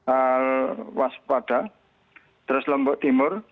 al waspada terus lombok timur